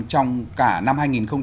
trong cả năm hai nghìn hai mươi ba